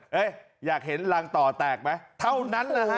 อยากเห็นรังต่อแตกไหมเท่านั้นแหละฮะ